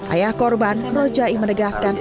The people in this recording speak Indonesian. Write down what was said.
ayah korban rojai menegaskan